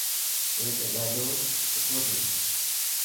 اي ته ڏاڌو سٺو ٿيو.